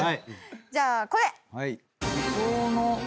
じゃあこれ！